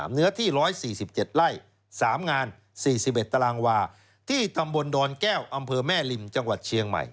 เนื้อที่๑๔๗ไร่๓งาน๔๑ตารางวาที่ตำบลดอนแก้วอำเภอแม่ริมจังหวัดเชียงใหม่